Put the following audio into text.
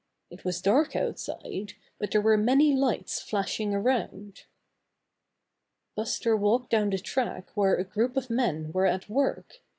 It was dark out side, but there were many lights flashing around. Buster walked down the track where a group of men were at work.